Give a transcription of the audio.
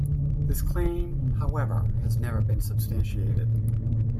This claim, however, has never been substantiated.